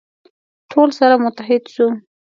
ټول سره متحد سو.